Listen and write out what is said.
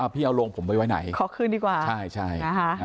พี่เอาลงผมไว้ไว้ไหนขอคืนดีกว่าใช่ใช่